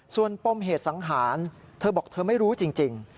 ส่วนปมเหตุสังหารเธอบอกเธอไม่รู้จริง